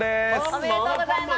おめでとうございます。